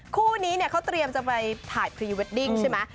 คู่นี้เนี่ยเขาเตรียมจะไปถ่ายพรีเวดดิ้งใช่ไหม